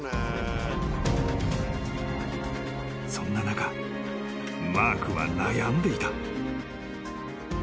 ［そんな中マークは悩んでいた］